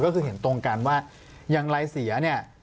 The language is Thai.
ก็คือเห็นตรงกันว่าอย่างไรเสียเนี่ย